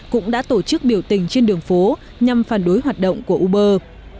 cũng đã tổ chức biểu tình trên đường phố nhằm phản đối hoạt động của uber